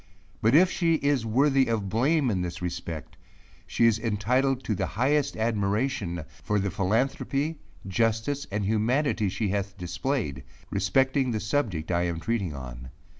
4 But if she is worthy of blame in this respect, she is entitled to the highest admiration for the philanthropy, justice, and humanity she hath displayed, respecting the subject I am treating on.